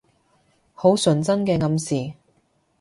好純真嘅暗示